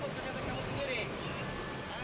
tidak kamu sendiri